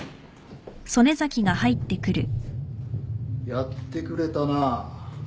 ・やってくれたな。